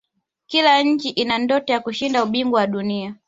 kila nchi ina ndoto ya kushinda ubingwa wa dunia